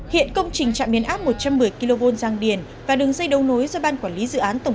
hiện công trình trạm biến áp một trăm một mươi kv giang điển và đường dây đấu nối do ban quản lý dự án tổng